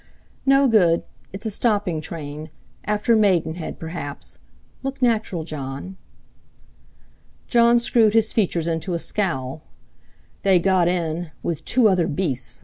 "No good; it's a stopping train. After Maidenhead perhaps. Look natural, Jon." Jon screwed his features into a scowl. They got in—with two other beasts!